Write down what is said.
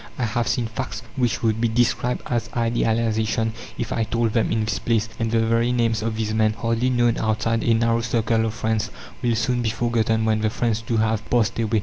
I have seen facts which would be described as "idealization" if I told them in this place; and the very names of these men, hardly known outside a narrow circle of friends, will soon be forgotten when the friends, too, have passed away.